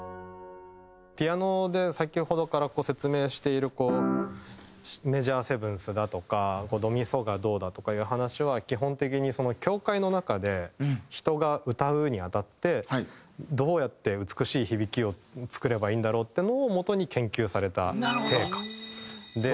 ピアノで先ほどから説明しているメジャーセブンスだとか「ドミソ」がどうだとかいう話は基本的に教会の中で人が歌うにあたってどうやって美しい響きを作ればいいんだろうっていうのを元に研究された聖歌で。